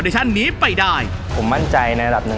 คะแนนที่ผู้คุมให้คือ